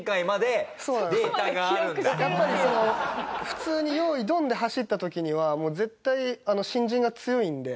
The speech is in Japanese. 普通に「用意ドン」で走った時には絶対新人が強いので。